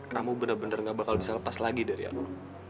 kamu bener bener gak bakal bisa lepas lagi dari aku